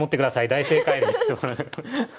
大正解です。